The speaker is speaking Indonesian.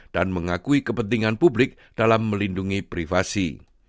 dan mengakui kepentingan publik dalam melindungi privasi